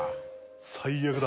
「最悪だ」